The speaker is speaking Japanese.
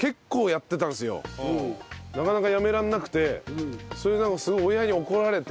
なかなかやめられなくてそれですごい親に怒られて。